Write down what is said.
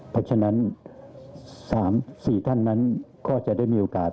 เพราะฉะนั้น๓๔ท่านนั้นก็จะได้มีโอกาส